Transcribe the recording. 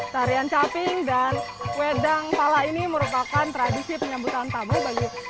tarian caping dan wedang pala ini merupakan tradisi penyebutan tamat